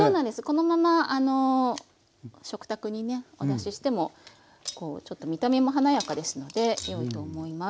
このまま食卓にねお出ししてもこうちょっと見た目も華やかですのでよいと思います。